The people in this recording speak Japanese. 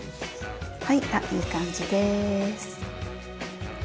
はいいい感じです。